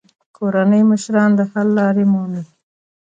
کورني مشران د حل لارې مومي.